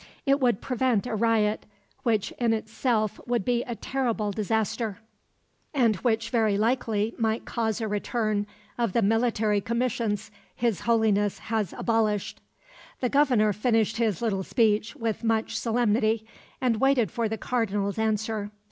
It would prevent a riot, which in itself would be a terrible disaster, and which very likely might cause a return of the military commissions His Holiness has abolished." The Governor finished his little speech with much solemnity, and waited for the Cardinal's answer.